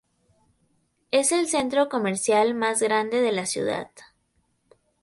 Es el centro comercial más grande de la ciudad.